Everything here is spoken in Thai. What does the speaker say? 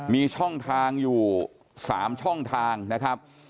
มีช่องทางอยู่๓ช่องทางนะครับ